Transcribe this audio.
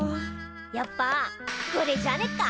やっぱこれじゃねっか？